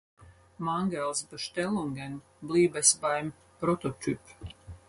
Mangels Bestellungen blieb es beim Prototyp.